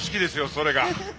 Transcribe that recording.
それが。